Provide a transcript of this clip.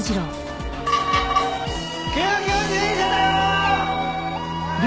救急自転車だよ！